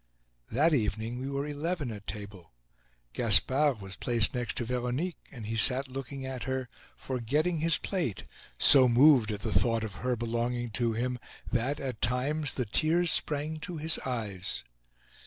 That evening we were eleven at table. Gaspard was placed next to Veronique, and he sat looking at her, forgetting his plate, so moved at the thought of her belonging to him that, at times, the tears sprang to his eyes.